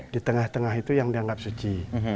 di tengah tengah itu yang dianggap suci